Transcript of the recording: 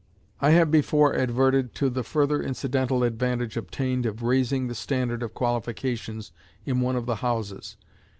I have before adverted to the further incidental advantage obtained of raising the standard of qualifications in one of the houses.